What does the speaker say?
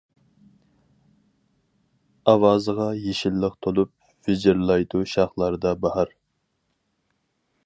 ئاۋازىغا يېشىللىق تولۇپ، ۋىچىرلايدۇ شاخلاردا باھار.